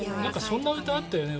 そんな歌あったよね。